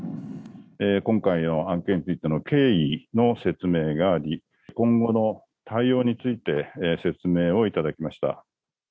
今回の案件についての経緯の説明があり、今後の対応について説明をいただきました。